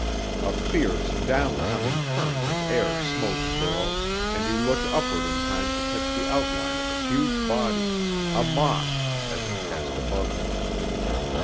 A fierce, down coming current of air smote Burl, and he looked upward in time to catch the outline of a huge body a moth as it passed above him.